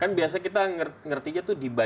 kan biasa kita ngertinya tuh dibaiat